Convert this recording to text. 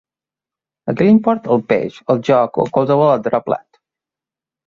A qui li importa el peix, el joc o qualsevol altre plat?